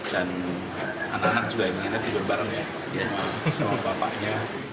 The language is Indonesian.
dan anak anak juga inginnya tidur bareng ya semuanya